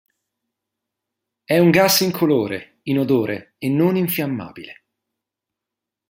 È un gas incolore, inodore e non infiammabile.